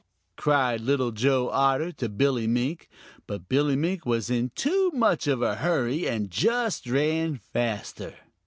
cried Little Joe Otter to Billy Mink, but Billy Mink was in too much of a hurry and just ran faster.